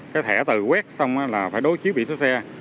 cái thẻ từ quét xong là phải đối chiếu vị số xe